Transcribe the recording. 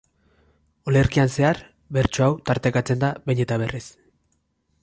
Olerkian zehar bertso hau tartekatzen da behin eta berriz.